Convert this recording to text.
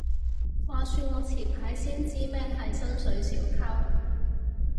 話說我前排先知咩係薪水小偷